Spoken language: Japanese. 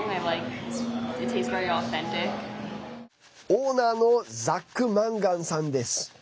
オーナーのザック・マンガンさんです。